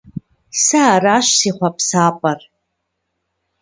Сэ аращ си хъуапсапӀэр!